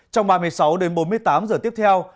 trong ba mươi sáu đến bốn mươi tám giờ tiếp theo